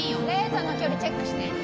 レーザーの距離チェックして。